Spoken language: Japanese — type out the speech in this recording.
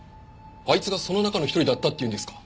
あいつがその中の一人だったって言うんですか？